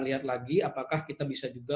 lihat lagi apakah kita bisa juga